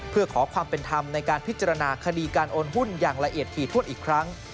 เพื่อขอความเป็นธรรมในการพิจารณาคดีการโอนหุ้นอย่างละเอียดถี่ถ้วนอีกครั้ง